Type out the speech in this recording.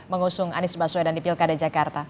mengusung anies baswedan di pilkada jakarta